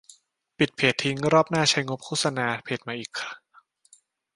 ปิดเพจทิ้ง รอบหน้าใช้งบโฆษณาเพจใหม่อีก ?